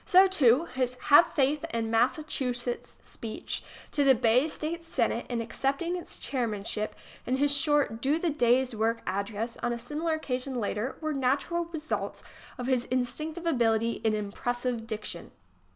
So, too, his "Have Faith in Massachusetts" speech to the Bay State Senate, in accepting its chairmanship, and his short "Do the Day's Work" address on a similar occasion later, were natural re sults of his instinctive ability in impressive diction.